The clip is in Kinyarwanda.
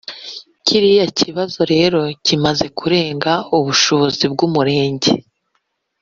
Kiriya kibazo rero kimaze kurenga ubushobozi bw’Umurenge